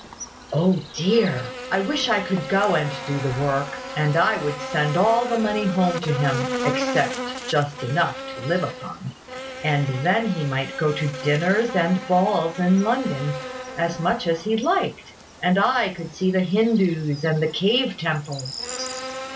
"O dear! I wish I could go and do the work; and I would send all the money home to him (except just enough to live upon), and then he might go to dinners and balls in London, as much as he liked, and I could see the Hindoos and the cave temples."